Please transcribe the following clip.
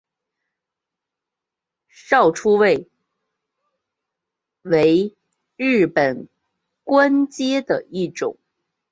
少初位为日本官阶的一种。